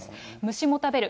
虫も食べる。